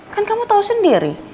kan kamu tau sendiri